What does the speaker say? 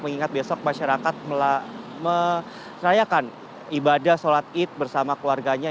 mengingat besok masyarakat merayakan ibadah sholat id bersama keluarganya